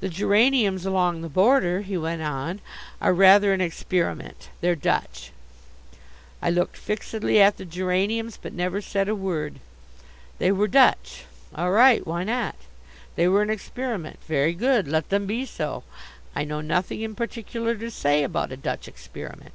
"The geraniums along the border," he went on, "are rather an experiment. They're Dutch." I looked fixedly at the geraniums but never said a word. They were Dutch; all right, why not? They were an experiment. Very good; let them be so. I know nothing in particular to say about a Dutch experiment.